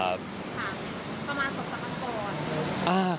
ครับประมาณสองสามวันก่อน